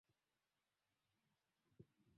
serikali inaweza ikaivunja tume hii ambayo iko shauri